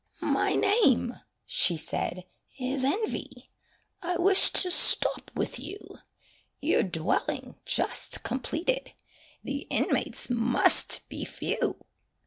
"My name," she said, "is Envy; I wish to stop with you; Your dwelling just completed, The inmates must be few."